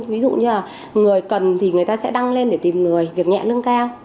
ví dụ như là người cần thì người ta sẽ đăng lên để tìm người việc nhẹ lương cao